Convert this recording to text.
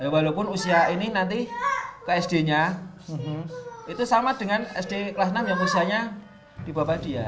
walaupun usia ini nanti ke sd nya itu sama dengan sd kelas enam yang usianya di bawah dia